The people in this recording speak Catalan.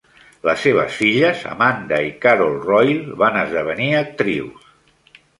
Les seves filles Amanda i Carol Royle van esdevenir actrius.